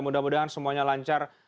mudah mudahan semuanya lancar